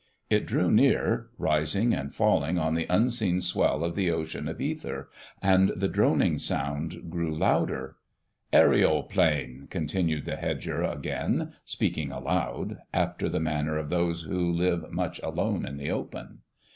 It drew near, rising and falling on the unseen swell of the ocean of ether, and the droning sound grew louder. "Aeri o plane," continued the hedger, again speaking aloud, after the manner of those who live much alone in the open.